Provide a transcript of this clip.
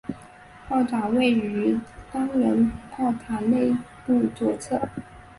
炮长位于单人炮塔内部左侧。